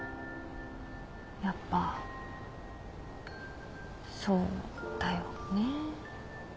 やっぱそうだよね。